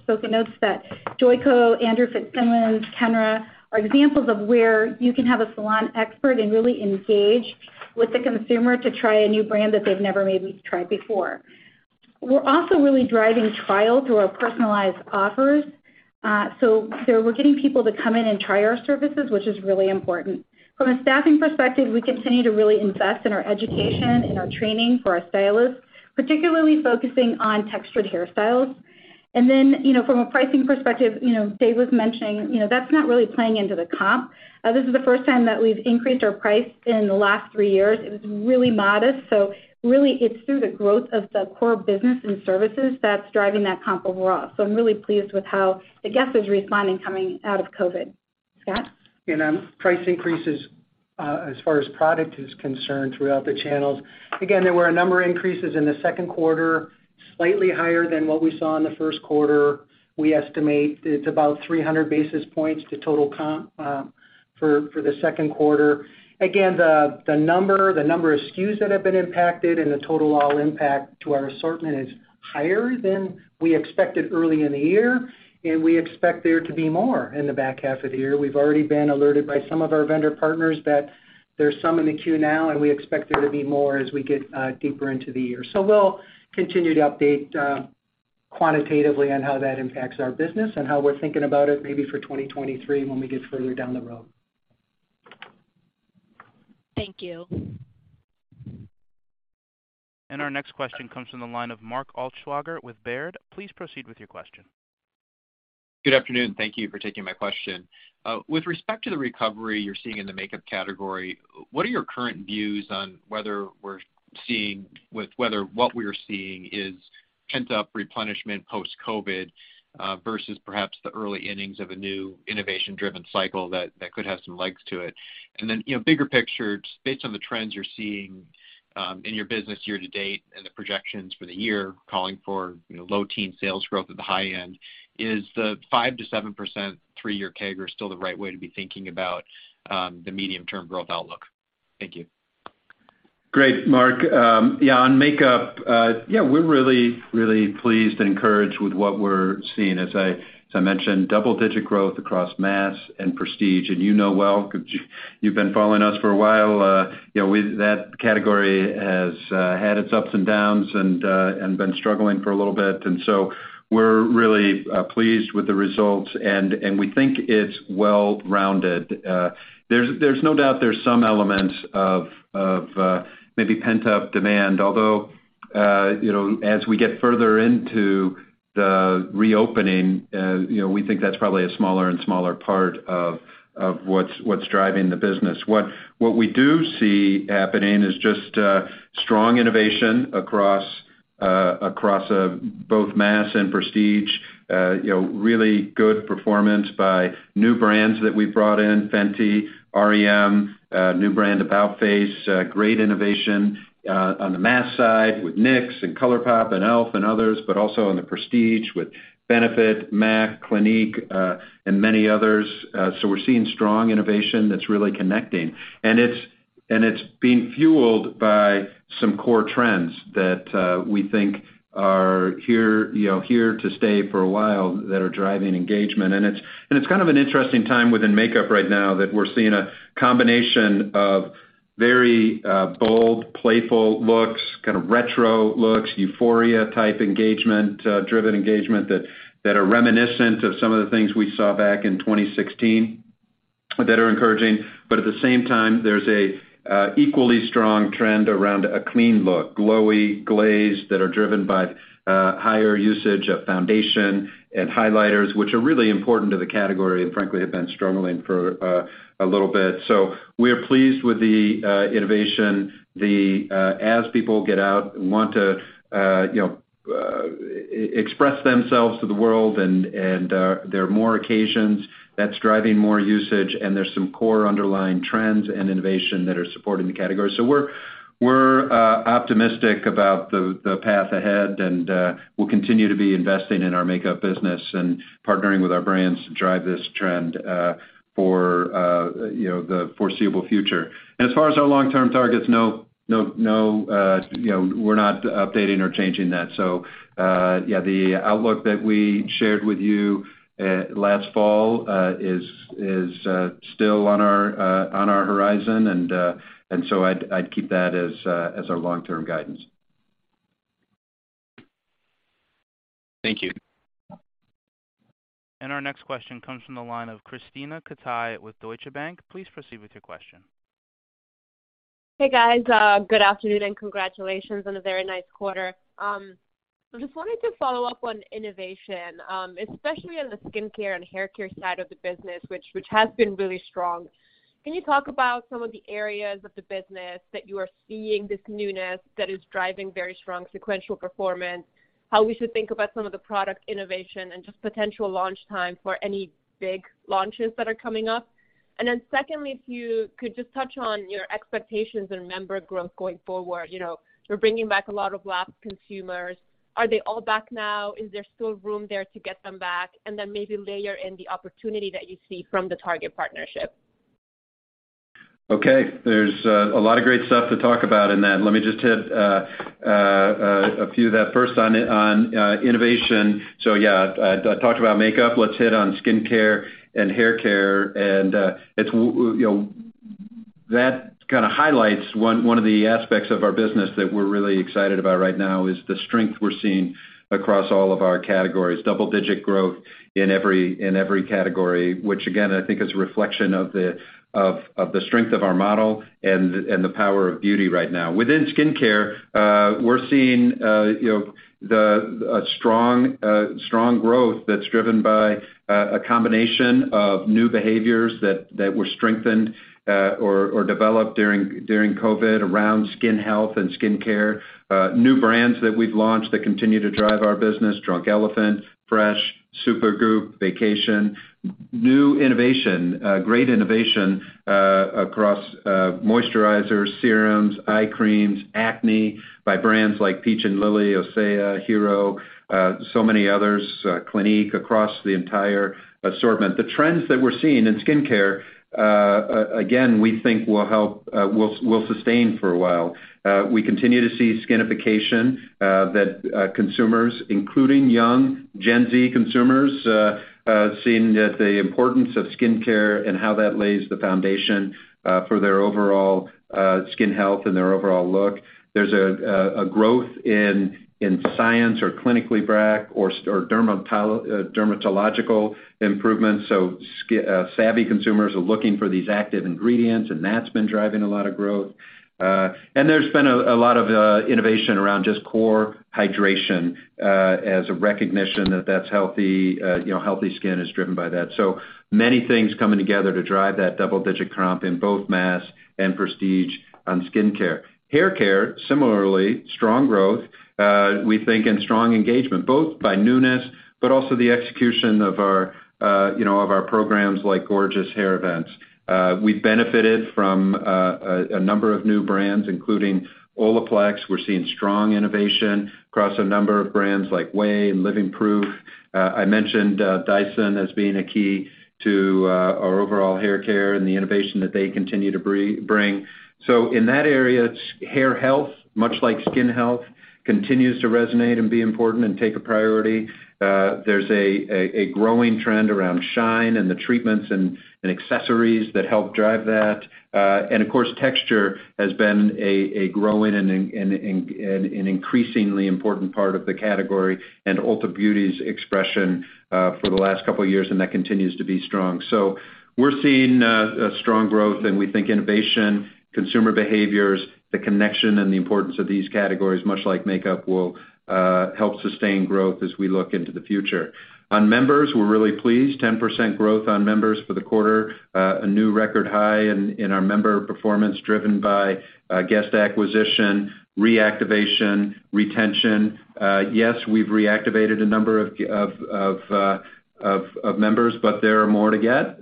spoken notes that Joico, Andrew Fitzsimons, Kenra are examples of where you can have a salon expert and really engage with the consumer to try a new brand that they've never maybe tried before. We're also really driving trial through our personalized offers. We're getting people to come in and try our services, which is really important. From a staffing perspective, we continue to really invest in our education and our training for our stylists, particularly focusing on textured hairstyles. From a pricing perspective, you know, Dave was mentioning, you know, that's not really playing into the comp. This is the first time that we've increased our price in the last 3 years. It was really modest. Really it's through the growth of the core business and services that's driving that comp overall. I'm really pleased with how the guest is responding coming out of COVID. Scott? Price increases as far as product is concerned throughout the channels. Again, there were a number of increases in the Q2, slightly higher than what we saw in the Q1. We estimate it's about 300 basis points to total comp for the Q2. Again, the number of SKUs that have been impacted and the total impact to our assortment is higher than we expected early in the year, and we expect there to be more in the back half of the year. We've already been alerted by some of our vendor partners that there's some in the queue now, and we expect there to be more as we get deeper into the year. We'll continue to update quantitatively on how that impacts our business and how we're thinking about it maybe for 2023 when we get further down the road. Thank you. Our next question comes from the line of Mark Altschwager with Baird. Please proceed with your question. Good afternoon. Thank you for taking my question. With respect to the recovery you're seeing in the makeup category, what are your current views on whether what we are seeing is pent-up replenishment post-COVID, versus perhaps the early innings of a new innovation-driven cycle that could have some legs to it. You know, bigger picture, based on the trends you're seeing in your business year to date and the projections for the year calling for, you know, low teen sales growth at the high end, is the 5% to 7% 3-year CAGR still the right way to be thinking about the medium-term growth outlook? Thank you. Great, Mark. Yeah, on makeup, yeah, we're really pleased and encouraged with what we're seeing. As I mentioned, double-digit growth across mass and prestige. You know well, you've been following us for a while, you know, that category has had its ups and downs and been struggling for a little bit. We're really pleased with the results, and we think it's well-rounded. There's no doubt there's some elements of maybe pent-up demand. Although, you know, as we get further into the reopening, you know, we think that's probably a smaller and smaller part of what's driving the business. What we do see happening is just strong innovation across both mass and prestige. You know, really good performance by new brands that we brought in, Fenty, r.e.m., new brand About-Face. Great innovation on the mass side with NYX and ColourPop and e.l.f. and others, but also on the prestige with Benefit, MAC, Clinique, and many others. We're seeing strong innovation that's really connecting. It's being fueled by some core trends that we think are here, you know, here to stay for a while that are driving engagement. It's kind of an interesting time within makeup right now that we're seeing a combination of very bold, playful looks, kind of retro looks, euphoria-type engagement, driven engagement that are reminiscent of some of the things we saw back in 2016 that are encouraging. At the same time, there's an equally strong trend around a clean look, glowy glaze that are driven by higher usage of foundation and highlighters, which are really important to the category and frankly, have been struggling for a little bit. We're pleased with the innovation. As people get out and want to you know express themselves to the world and there are more occasions, that's driving more usage and there's some core underlying trends and innovation that are supporting the category. We're optimistic about the path ahead and we'll continue to be investing in our makeup business and partnering with our brands to drive this trend for you know the foreseeable future. As far as our long-term targets, no, you know, we're not updating or changing that. Yeah, the outlook that we shared with you last fall is still on our horizon. I'd keep that as our long-term guidance. Thank you. Our next question comes from the line of Krisztina Katai with Deutsche Bank. Please proceed with your question. Hey, guys. Good afternoon, and congratulations on a very nice quarter. Just wanted to follow up on innovation, especially on the skincare and haircare side of the business, which has been really strong. Can you talk about some of the areas of the business that you are seeing this newness that is driving very strong sequential performance, how we should think about some of the product innovation and just potential launch time for any big launches that are coming up? Secondly, if you could just touch on your expectations on member growth going forward. You know, you're bringing back a lot of lost consumers. Are they all back now? Is there still room there to get them back? Maybe layer in the opportunity that you see from the Target partnership. Okay. There's a lot of great stuff to talk about in that. Let me just hit a few of that. First on innovation. Yeah, I talked about makeup. Let's hit on skincare and haircare, and you know that kind of highlights one of the aspects of our business that we're really excited about right now is the strength we're seeing across all of our categories, double-digit growth in every category, which again, I think is a reflection of the strength of our model and the power of beauty right now. Within skincare, we're seeing you know a strong growth that's driven by a combination of new behaviors that were strengthened or developed during COVID around skin health and skin care. New brands that we've launched that continue to drive our business, Drunk Elephant, Fresh, Supergoop, Vacation. New innovation, great innovation, across moisturizers, serums, eye creams, acne by brands like Peach & Lily, OSEA, Hero, so many others, Clinique across the entire assortment. The trends that we're seeing in skincare, again, we think will help, will sustain for a while. We continue to see skinification that consumers, including young Gen Z consumers, seeing that the importance of skincare and how that lays the foundation for their overall skin health and their overall look. There's a growth in science or clinically backed or dermatological improvements. Skin-savvy consumers are looking for these active ingredients, and that's been driving a lot of growth. There's been a lot of innovation around just core hydration as a recognition that that's healthy, you know, healthy skin is driven by that. Many things coming together to drive that double-digit comp in both mass and prestige on skincare. Hair care, similarly, strong growth, we think, and strong engagement, both by newness but also the execution of our, you know, of our programs like Gorgeous Hair Events. We've benefited from a number of new brands, including Olaplex. We're seeing strong innovation across a number of brands like OUAI and Living Proof. I mentioned Dyson as being a key to our overall hair care and the innovation that they continue to bring. In that area, it's hair health, much like skin health, continues to resonate and be important and take a priority. There's a growing trend around shine and the treatments and accessories that help drive that. Of course, texture has been a growing and an increasingly important part of the category and Ulta Beauty's expression for the last couple of years, and that continues to be strong. We're seeing a strong growth, and we think innovation, consumer behaviors, the connection and the importance of these categories, much like makeup, will help sustain growth as we look into the future. On members, we're really pleased, 10% growth on members for the quarter, a new record high in our member performance driven by guest acquisition, reactivation, retention. Yes, we've reactivated a number of members, but there are more to get.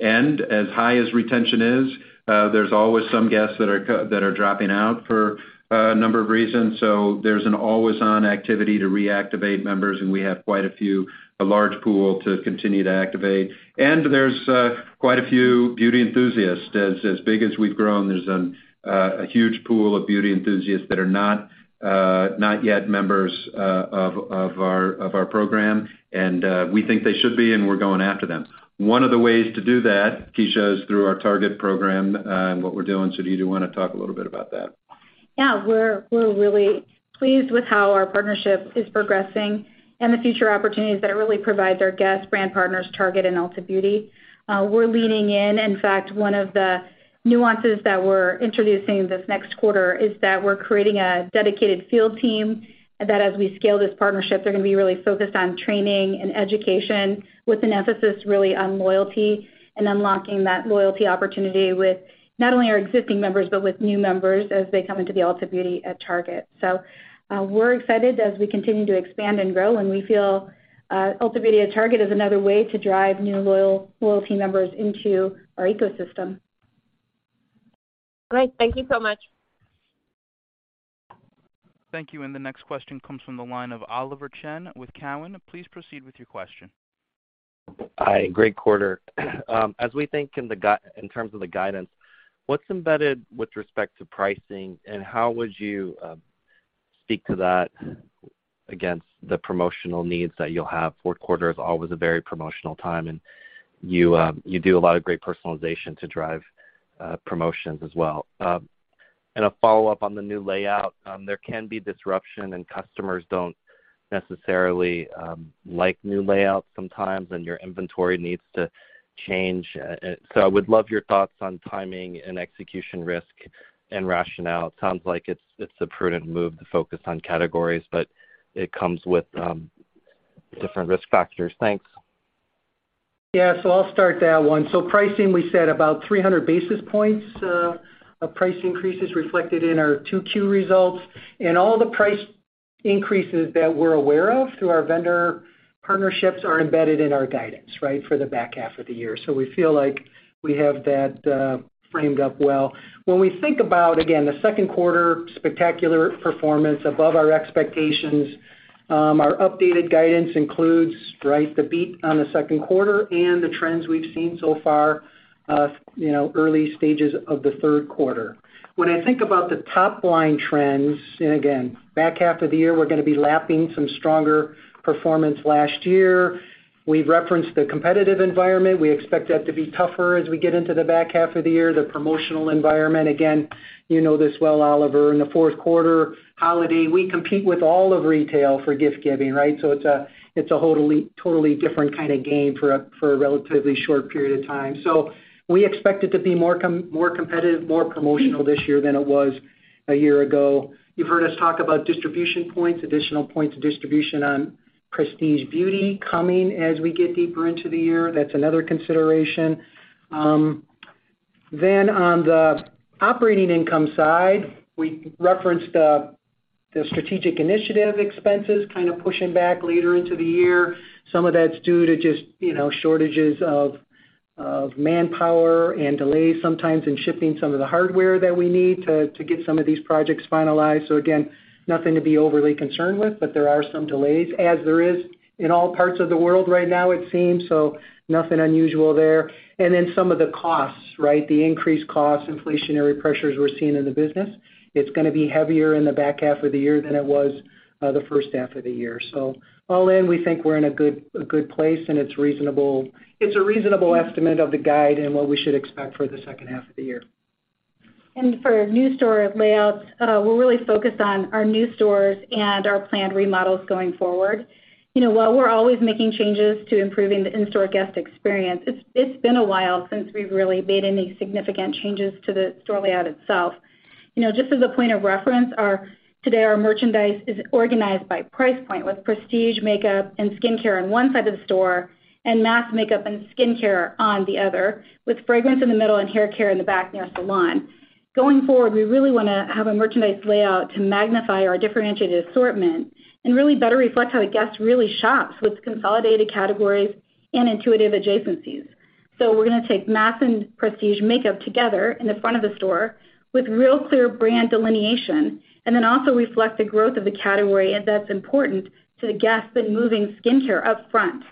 As high as retention is, there's always some guests that are dropping out for a number of reasons. There's an always-on activity to reactivate members, and we have quite a few, a large pool to continue to activate. There's quite a few beauty enthusiasts. As big as we've grown, there's a huge pool of beauty enthusiasts that are not yet members of our program, and we think they should be, and we're going after them. One of the ways to do that, Kecia, is through our Target program, and what we're doing. Do you want to talk a little bit about that? Yeah. We're really pleased with how our partnership is progressing and the future opportunities that it really provides our guests, brand partners, Target and Ulta Beauty. We're leaning in. In fact, one of the nuances that we're introducing this next quarter is that we're creating a dedicated field team, that as we scale this partnership, they're gonna be really focused on training and education with an emphasis really on loyalty and unlocking that loyalty opportunity with not only our existing members, but with new members as they come into the Ulta Beauty at Target. We're excited as we continue to expand and grow, and we feel Ulta Beauty at Target is another way to drive new loyalty members into our ecosystem. Great. Thank you so much. Thank you. The next question comes from the line of Oliver Chen with Cowen. Please proceed with your question. Hi, great quarter. As we think in terms of the guidance, what's embedded with respect to pricing, and how would you speak to that against the promotional needs that you'll have? Q4 is always a very promotional time, and you do a lot of great personalization to drive promotions as well. A follow-up on the new layout, there can be disruption, and customers don't necessarily like new layouts sometimes, and your inventory needs to change. I would love your thoughts on timing and execution risk and rationale. It sounds like it's a prudent move to focus on categories, but it comes with different risk factors. Thanks. I'll start that one. Pricing, we said about 300 basis points of price increases reflected in our 2Q results. All the price increases that we're aware of through our vendor partnerships are embedded in our guidance, right, for the back half of the year. We feel like we have that framed up well. When we think about, again, the Q2, spectacular performance above our expectations, our updated guidance includes, right, the beat on the Q2 and the trends we've seen so far, you know, early stages of the Q3. When I think about the top-line trends, and again, back half of the year, we're gonna be lapping some stronger performance last year. We've referenced the competitive environment. We expect that to be tougher as we get into the back half of the year. The promotional environment, again, you know this well, Oliver, in the Q4 holiday, we compete with all of retail for gift giving, right? It's a totally different kind of game for a relatively short period of time. We expect it to be more competitive, more promotional this year than it was a year ago. You've heard us talk about distribution points, additional points of distribution on Prestige beauty coming as we get deeper into the year, that's another consideration. On the operating income side, we referenced the strategic initiative expenses kind of pushing back later into the year. Some of that's due to just, you know, shortages of manpower and delays sometimes in shipping some of the hardware that we need to get some of these projects finalized. Again, nothing to be overly concerned with, but there are some delays as there is in all parts of the world right now, it seems, so nothing unusual there. Some of the costs, right? The increased costs, inflationary pressures we're seeing in the business. It's gonna be heavier in the back half of the year than it was, the H1 of the year. All in, we think we're in a good place, and it's reasonable. It's a reasonable estimate of the guide and what we should expect for the H2 of the year. For new store layouts, we're really focused on our new stores and our planned remodels going forward. You know, while we're always making changes to improving the in-store guest experience, it's been a while since we've really made any significant changes to the store layout itself. You know, just as a point of reference, our today our merchandise is organized by price point, with prestige makeup and skincare on 1 side of the store and mass makeup and skincare on the other, with fragrance in the middle and hair care in the back near salon. Going forward, we really wanna have a merchandise layout to magnify our differentiated assortment and really better reflect how the guest really shops with consolidated categories and intuitive adjacencies. We're gonna take mass and prestige makeup together in the front of the store with real clear brand delineation, and then also reflect the growth of the category as that's important to the guest in moving skincare up front.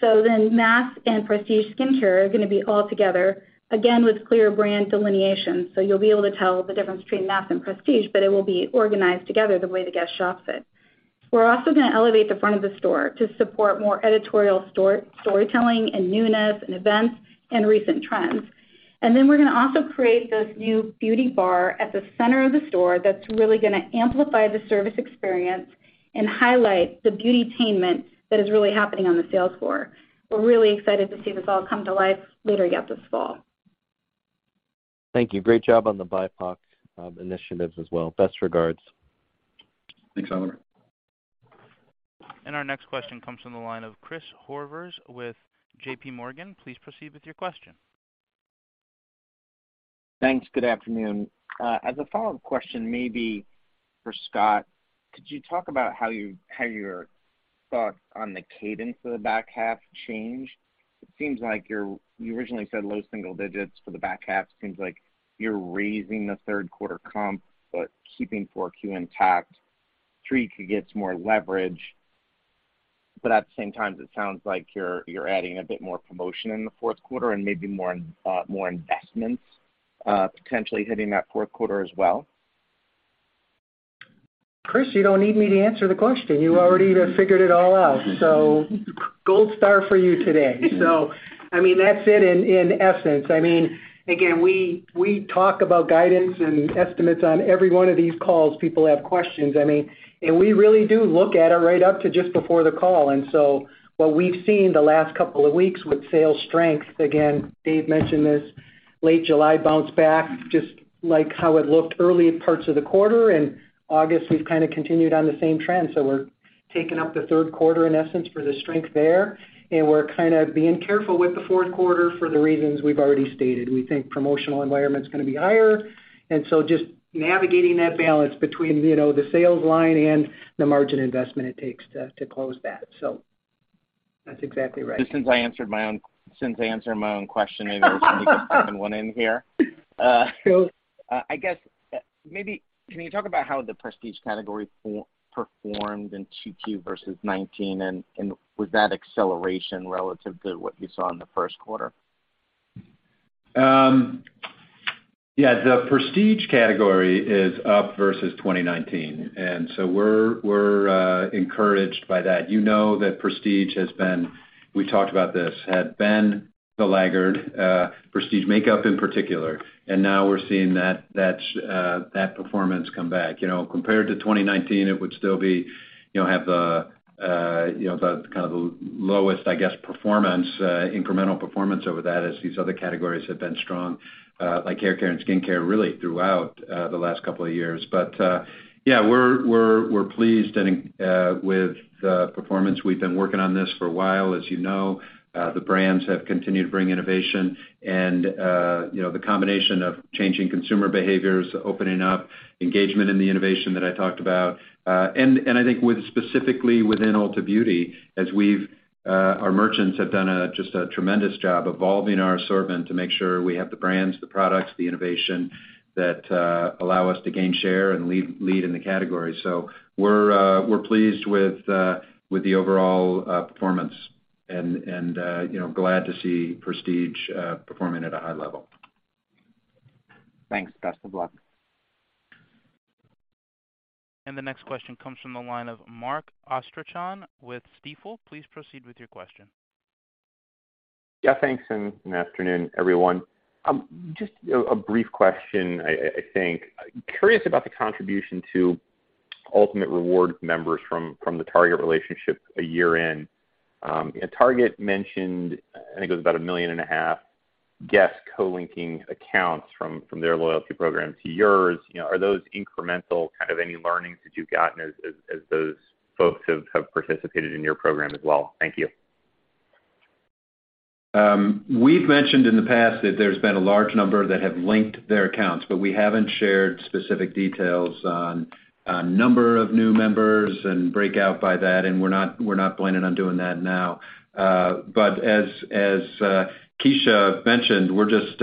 Mass and prestige skincare are gonna be all together, again, with clear brand delineation. You'll be able to tell the difference between mass and prestige, but it will be organized together the way the guest shops it. We're also gonna elevate the front of the store to support more editorial storytelling and newness and events and recent trends. We're gonna also create this new beauty bar at the center of the store that's really gonna amplify the service experience and highlight the beautainment that is really happening on the sales floor. We're really excited to see this all come to life later this fall. Thank you. Great job on the BIPOC initiatives as well. Best regards. Thanks, Oliver. Our next question comes from the line of Christopher Horvers with JP Morgan. Please proceed with your question. Thanks. Good afternoon. As a follow-up question, maybe for Scott, could you talk about how your thoughts on the cadence for the back half changed? It seems like you originally said low single digits for the back half. Seems like you're raising the Q3 comp, but keeping 4Q intact. 3 could get more leverage, but at the same time, it sounds like you're adding a bit more promotion in the Q4 and maybe more investments, potentially hitting that Q4 as well. Chris, you don't need me to answer the question. You already have figured it all out. Gold star for you today. I mean, that's it in essence. I mean, again, we talk about guidance and estimates on every one of these calls. People have questions. I mean, we really do look at it right up to just before the call. What we've seen the last couple of weeks with sales strength, again, Dave mentioned this late July bounce back, just like how it looked early parts of the quarter. In August, we've kind of continued on the same trend. We're taking up the Q3, in essence, for the strength there. We're kind of being careful with the Q4 for the reasons we've already stated. We think promotional environment's gonna be higher. Just navigating that balance between, you know, the sales line and the margin investment it takes to close that. That's exactly right. Since I answered my own question, maybe I'll just sneak a second one in here. I guess, maybe can you talk about how the prestige category performed in Q2 versus 2019, and was that acceleration relative to what you saw in the Q1? Yeah, the prestige category is up versus 2019, and so we're encouraged by that. You know that prestige has been, we talked about this, had been the laggard, prestige makeup in particular. Now we're seeing that performance come back. You know, compared to 2019, it would still be, you know, have the, you know, the kind of the lowest, I guess, performance, incremental performance over that as these other categories have been strong, like haircare and skincare really throughout the last couple of years. Yeah, we're pleased with the performance. We've been working on this for a while. As you know, the brands have continued to bring innovation and, you know, the combination of changing consumer behaviors, opening up engagement in the innovation that I talked about. I think specifically within Ulta Beauty, our merchants have done just a tremendous job evolving our assortment to make sure we have the brands, the products, the innovation that allow us to gain share and lead in the category. We're pleased with the overall performance and, you know, glad to see prestige performing at a high level. Thanks. Best of luck. The next question comes from the line of Mark Astrachan with Stifel. Please proceed with your question. Yeah, thanks, afternoon, everyone. Just a brief question, I think. Curious about the contribution to Ultamate Rewards members from the Target relationship a year in. Target mentioned, I think it was about 1.5 million Guests co-linking accounts from their loyalty program to yours. You know, are those incremental? Kind of any learnings that you've gotten as those folks have participated in your program as well? Thank you. We've mentioned in the past that there's been a large number that have linked their accounts, but we haven't shared specific details on number of new members and breakout by that, and we're not planning on doing that now. As Kecia mentioned, we're just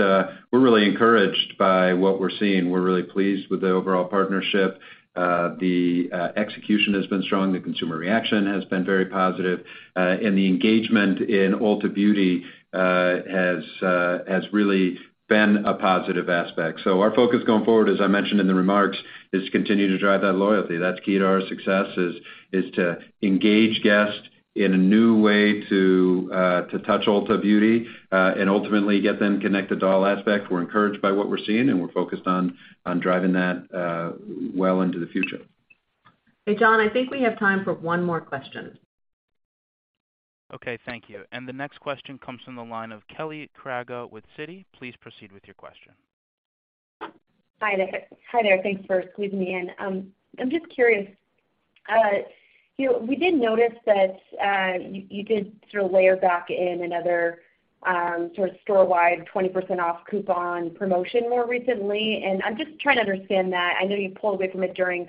really encouraged by what we're seeing. We're really pleased with the overall partnership. The execution has been strong, the consumer reaction has been very positive, and the engagement in Ulta Beauty has really been a positive aspect. Our focus going forward, as I mentioned in the remarks, is to continue to drive that loyalty. That's key to our success is to engage guests in a new way to touch Ulta Beauty, and ultimately get them connected to all aspects. We're encouraged by what we're seeing, and we're focused on driving that well into the future. Hey, John, I think we have time for 1 more question. Okay, thank you. The next question comes from the line of Kelly Crago with Citi. Please proceed with your question. Hi there. Thanks for squeezing me in. I'm just curious, you know, we did notice that, you did sort of layer back in another, sort of storewide 20% off coupon promotion more recently, and I'm just trying to understand that. I know you pulled away from it during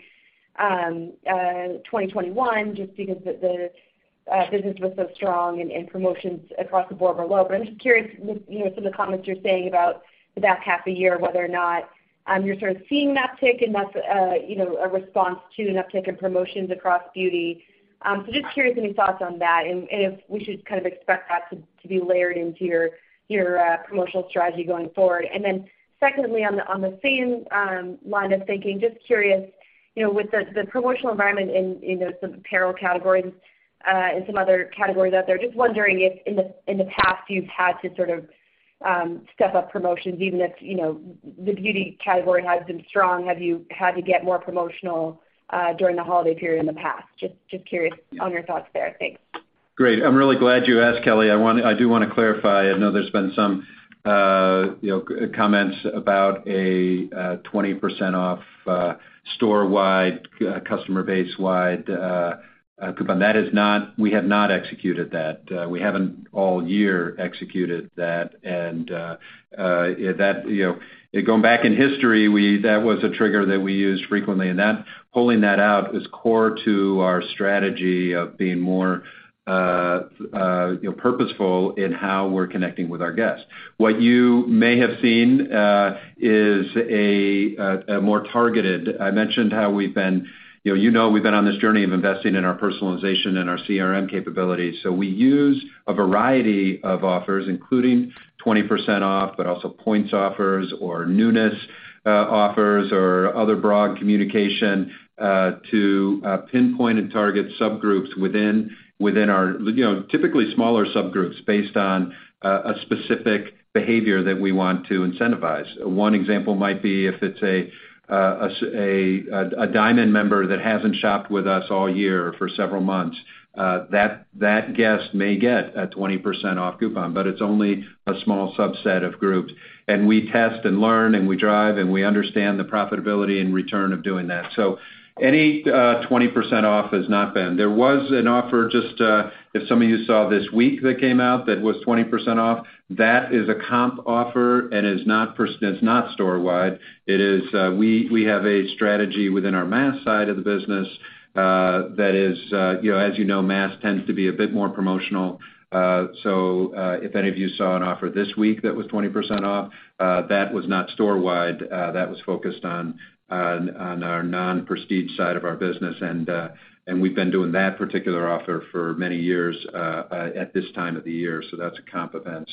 2021 just because the business was so strong and promotions across the board were low. I'm just curious with, you know, some of the comments you're saying about the back half of the year, whether or not, you're sort of seeing that tick and that's, you know, a response to an uptick in promotions across beauty. Just curious any thoughts on that and, if we should kind of expect that to be layered into your promotional strategy going forward. Secondly, on the same line of thinking, just curious, you know, with the promotional environment in, you know, some apparel categories and some other categories out there, just wondering if in the past, you've had to sort of step up promotions, even if, you know, the beauty category has been strong. Have you had to get more promotional during the holiday period in the past? Just curious on your thoughts there. Thanks. Great. I'm really glad you asked, Kelly. I do wanna clarify. I know there's been some, you know, comments about a 20% off, storewide, customer base wide, coupon. We have not executed that. We haven't all year executed that. You know, going back in history, that was a trigger that we used frequently, and pulling that out is core to our strategy of being more, you know, purposeful in how we're connecting with our guests. What you may have seen is a more targeted. I mentioned how we've been, you know, we've been on this journey of investing in our personalization and our CRM capabilities. We use a variety of offers, including 20% off, but also points offers or newness offers or other broad communication to pinpoint and target subgroups within our, you know, typically smaller subgroups based on a specific behavior that we want to incentivize. 1 example might be if it's a Diamond member that hasn't shopped with us all year for several months, that guest may get a 20% off coupon, but it's only a small subset of groups. We test and learn, and we drive, and we understand the profitability and return of doing that. Any 20% off has not been. There was an offer just if some of you saw this week that came out, that was 20% off. That is a comp offer and it's not store wide. It is. We have a strategy within our mass side of the business, that is, you know, as you know, mass tends to be a bit more promotional. If any of you saw an offer this week that was 20% off, that was not store wide. That was focused on our non-Prestige side of our business, and we've been doing that particular offer for many years at this time of the year. That's a comp event.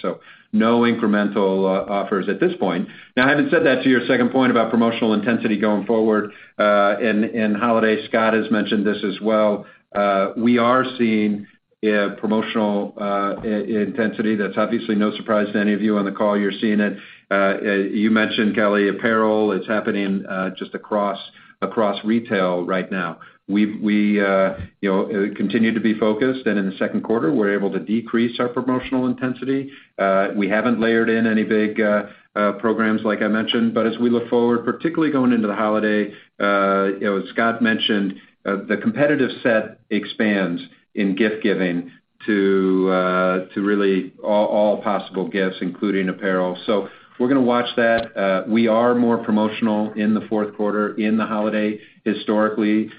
No incremental offers at this point. Now, having said that, to your second point about promotional intensity going forward, in holiday, Scott has mentioned this as well, we are seeing promotional intensity. That's obviously no surprise to any of you on the call. You're seeing it. You mentioned, Kelly, apparel. It's happening just across retail right now. We continue to be focused, and in the Q2, we're able to decrease our promotional intensity. We haven't layered in any big programs like I mentioned, but as we look forward, particularly going into the holiday, you know, as Scott mentioned, the competitive set expands in gift giving to really all possible gifts, including apparel. We're gonna watch that. We are more promotional in the Q4, in the holiday historically.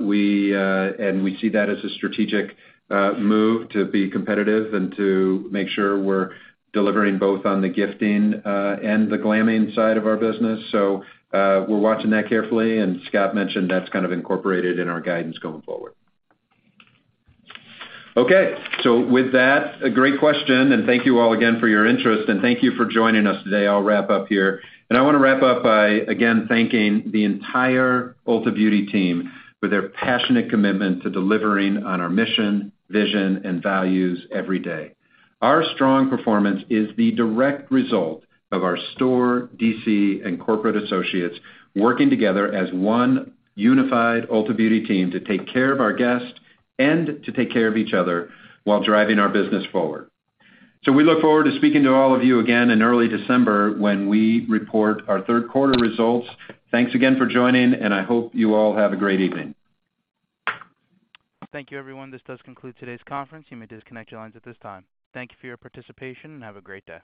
We see that as a strategic move to be competitive and to make sure we're delivering both on the gifting and the glamming side of our business. We're watching that carefully, and Scott mentioned that's kind of incorporated in our guidance going forward. Okay. With that, a great question, and thank you all again for your interest and thank you for joining us today. I'll wrap up here. I wanna wrap up by, again, thanking the entire Ulta Beauty team for their passionate commitment to delivering on our mission, vision, and values every day. Our strong performance is the direct result of our store, D.C., and corporate associates working together as 1 unified Ulta Beauty team to take care of our guests and to take care of each other while driving our business forward. We look forward to speaking to all of you again in early December when we report our Q3 results. Thanks again for joining, and I hope you all have a great evening. Thank you, everyone. This does conclude today's conference. You may disconnect your lines at this time. Thank you for your participation, and have a great day.